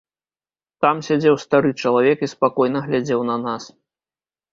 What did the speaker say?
Там сядзеў стары чалавек і спакойна глядзеў на нас.